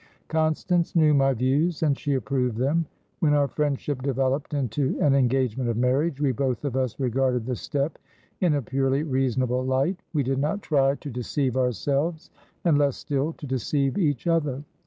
Constance knew my views, and she approved them. When our friendship developed into an engagement of marriage, we both of us regarded the step in a purely reasonable light; we did not try to deceive ourselves, and, less still, to deceive each other.